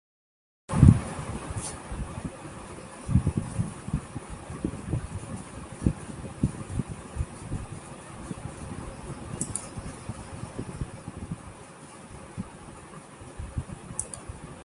Nonetheless, the farming activities still have relevance in the area.